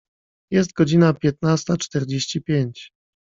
Jest godzina piętnasta czterdzieści pięć.